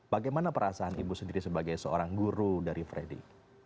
bagaimana perasaan ibu sendiri sebagai seorang guru dari freddy